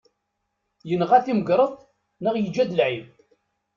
Yenɣa timgreḍt neɣ yeǧǧa-d lɛib.